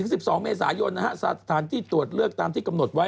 สิบสองเมษายนนะฮะสถานที่ตรวจเลือกตามที่กำหนดไว้